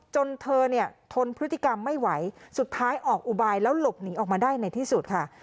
เธอเนี่ยทนพฤติกรรมไม่ไหวสุดท้ายออกอุบายแล้วหลบหนีออกมาได้ในที่สุดค่ะ